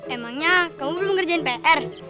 emangnya kamu belum ngerjain pr